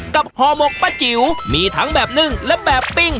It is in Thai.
ห่อหมกป้าจิ๋วมีทั้งแบบนึ่งและแบบปิ้ง